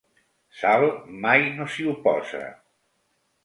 Sal mai no s'hi oposa.